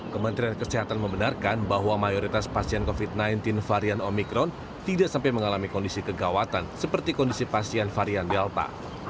kementerian kesehatan membenarkan bahwa mayoritas pasien covid sembilan belas varian omikron tidak sampai mengalami kondisi kegawatan seperti kondisi pasien varian delta